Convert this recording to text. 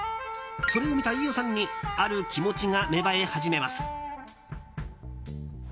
それを見た飯尾さんにある気持ちが芽生え始めます。